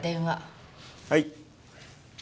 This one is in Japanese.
はい。